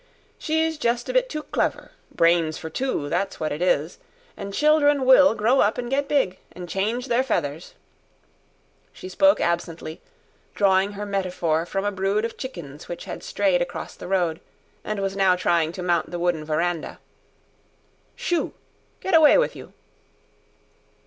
She's just a bit too clever brains for two, that's what it is. An' children WILL grow up an' get big ... an' change their feathers." She spoke absently, drawing her metaphor from a brood of chickens which had strayed across the road, and was now trying to mount the wooden verandah "Shooh! Get away with you!"